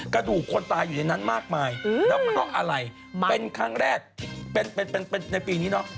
กระดูกคนตายอยู่ในนั้นมากมายแล้วเพราะอะไรเป็นครั้งแรกเป็นในปีนี้เนาะ